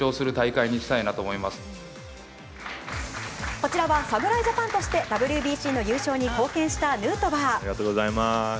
こちらは侍ジャパンとしてＷＢＣの優勝に貢献したヌートバー。